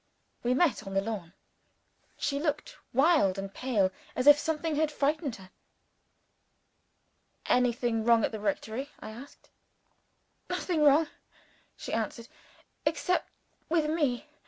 We met on the lawn. She looked wild and pale, as if something had frightened her. "Anything wrong at the rectory?" I asked. "Nothing wrong," she answered "except with Me.